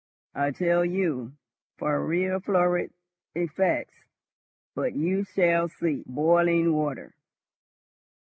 I tell you, for real florid effects—But you shall see. Boiling water